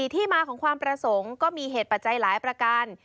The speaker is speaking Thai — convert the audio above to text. ที่มาของความประสงค์ก็มีเหตุปัจจัยหลายประการ